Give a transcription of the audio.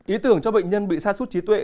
ý tưởng cho bệnh nhân bị sát xuất trí tuệ